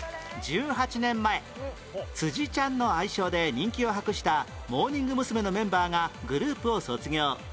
１８年前辻ちゃんの愛称で人気を博したモーニング娘。のメンバーがグループを卒業